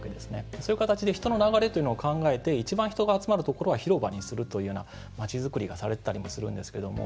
そういう形で人の流れというのを考えて一番、人が集まるところは広場にするというようなまちづくりがされていたりもするんですけども。